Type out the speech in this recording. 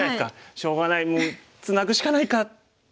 「しょうがないもうツナぐしかないか」。